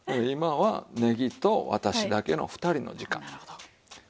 今はねぎと私だけの２人の時間。